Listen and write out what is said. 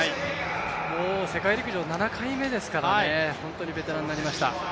世界陸上７回目ですからね、本当にベテランになりました。